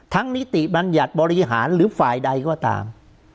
นิติบัญญัติบริหารหรือฝ่ายใดก็ตาม